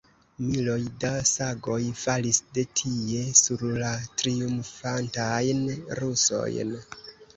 Miloj da sagoj falis de tie sur la triumfantajn rusojn!